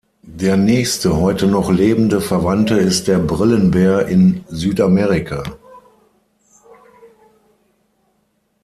Der nächste heute noch lebende Verwandte ist der Brillenbär in Südamerika.